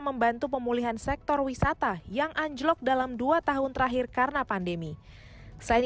membantu pemulihan sektor wisata yang anjlok dalam dua tahun terakhir karena pandemi selain